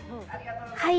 はい。